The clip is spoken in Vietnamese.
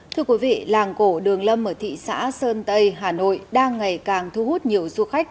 thưa quý vị làng cổ đường lâm ở thị xã sơn tây hà nội đang ngày càng thu hút nhiều du khách